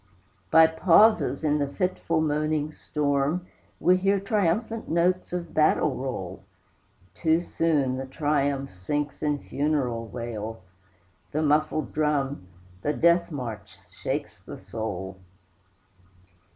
By pauses, in the fitful moaning storm, We hear triumphant notes of battle roll. Too soon the triumph sinks in funeral wail; The muffled drum, the death march, shakes the soul!